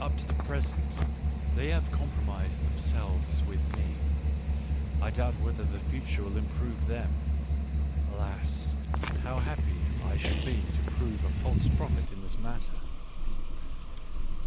Up to the present they have compro mised themselves with me; I doubt whether the future will improve them. Alas ! how happy I should be to prove a false prophet in this matter